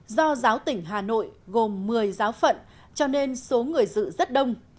do giáo tỉnh hà nội gồm một mươi giáo phận cho nên số người dự rất đông